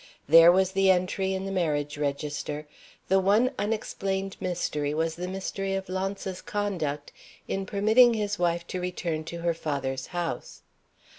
There was the entry in the Marriage Register. The one unexplained mystery was the mystery of Launce's conduct in permitting his wife to return to her father's house.